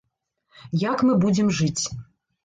Як мы будзем жыць.